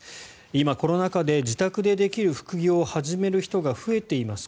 今、コロナ禍で自宅でできる副業を始める人が増えています。